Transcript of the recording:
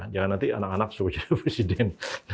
jangan nanti anak anak suruh jadi presiden